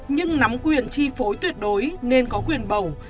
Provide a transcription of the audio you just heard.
nhưng nắm quyền chi phối tuyệt đối nên có quyền bầu